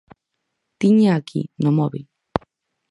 Tíñaa aquí, no móbil.